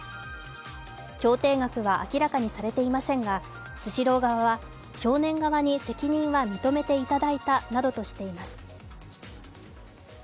調停額は明らかにされていませんがスシロー側は少年側に責任は認めていただいたなどとしています。